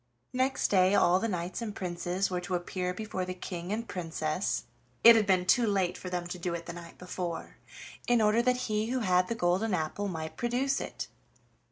Next day all the knights and princes were to appear before the King and Princess it had been too late for them to do it the night before in order that he who had the golden apple might produce it.